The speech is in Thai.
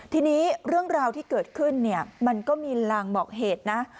ทีนี้เรื่องราวที่เกิดขึ้นเนี่ยมันก็มีลางบอกเหตุนะ